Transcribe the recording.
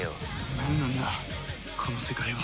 なんなんだこの世界は。